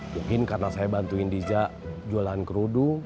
mungkin karena saya bantuin diza jualan kerudung